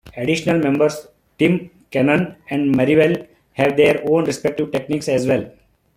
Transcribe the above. Additional members Tim, Kanon, and Marivel have their own respective techniques as well.